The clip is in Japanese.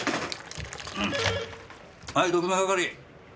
はい特命係。